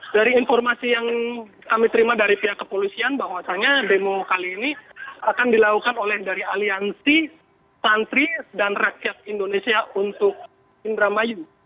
dari informasi yang kami terima dari pihak kepolisian bahwasannya demo kali ini akan dilakukan oleh dari aliansi santri dan rakyat indonesia untuk indramayu